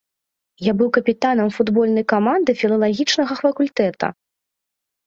Я быў капітанам футбольнай каманды філалагічнага факультэта.